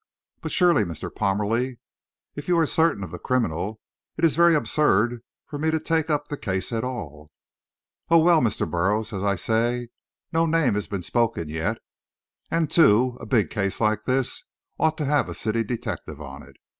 "But surely, Mr. Parmalee, if you are certain of the criminal it is very absurd for me to take up the case at all." "Oh, well, Mr. Burroughs, as I say, no name has been spoken yet. And, too, a big case like this ought to have a city detective on it.